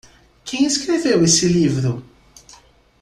Quem escreveu esse livro?